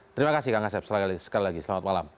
terima kasih kang gaseh selamat malam